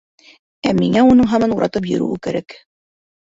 Ә миңә уның һаман уратып йөрөүе кәрәк.